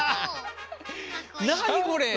なにこれ？